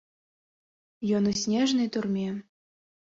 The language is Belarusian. Ён у снежнай турме.